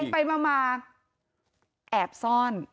ไปมาแอบซ่อน